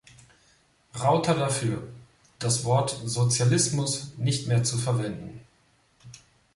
Rauter dafür, das Wort Sozialismus nicht mehr zu verwenden.